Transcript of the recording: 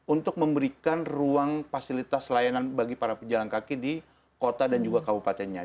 untuk memberikan ruang fasilitas layanan bagi para pejalan kaki di kota dan juga kabupatennya